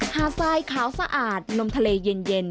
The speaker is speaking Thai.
หาดทรายขาวสะอาดลมทะเลเย็น